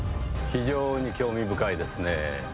非常に興味深いですねぇ。